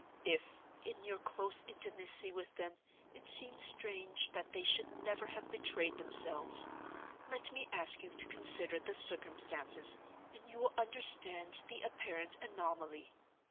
"If, in your close intimacy with them, it seems strange that they should never have betrayed themselves, let me ask you to consider the circumstances and you will understand the apparent anomaly.